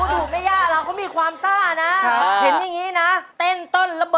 หมูนนะไอต์อันนั้นหมูนละครับ